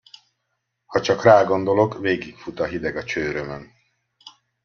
Ha csak rágondolok, végigfut a hideg a csőrömön!